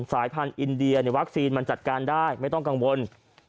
สายพันธุ์อินเดียวัคซีนมันจัดการได้ไม่ต้องกังวล